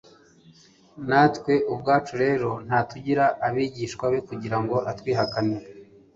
natwe ubwacu rero, ntatugira abigishwa be kugira ngo atwihakane.